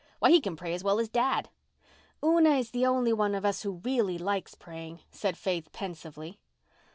Why, he can pray as well as dad." "Una is the only one of US who really likes praying," said Faith pensively.